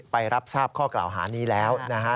ไปรับทราบข้อกล่าวหานี้แล้วนะฮะ